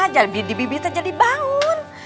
jadi dibibit aja dibangun